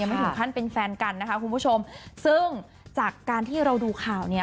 ไม่ถึงขั้นเป็นแฟนกันนะคะคุณผู้ชมซึ่งจากการที่เราดูข่าวเนี้ย